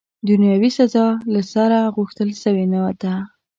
دنیاوي سزا، له سره، غوښتل سوې نه ده.